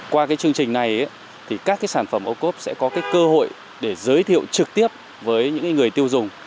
qua chương trình này các sản phẩm ô cốp sẽ có cơ hội giới thiệu trực tiếp với những người tiêu dùng